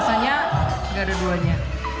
rasanya nggak ada duanya